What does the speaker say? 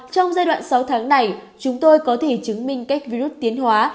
trong giai đoạn sáu tháng này chúng tôi có thể chứng minh cách virus tiến hóa